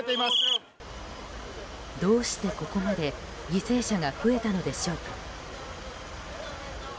どうしてここまで犠牲者が増えたのでしょうか。